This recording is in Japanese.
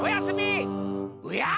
おや！